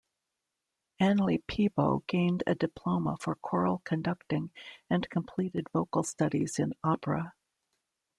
Annely Peebo gained a diploma for choral conducting and completed vocal studies in opera.